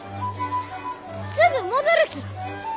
すぐ戻るき！